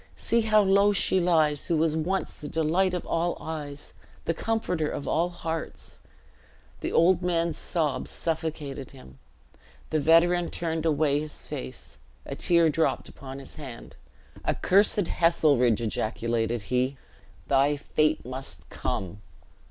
see how low she lies who was once the delight of all eyes, the comforter of all hearts." The old man's sobs suffocated him. The veteran turned away his face, a tear dropped upon his hand. "Accursed Heselrigge," ejaculated he, "thy fate must come!"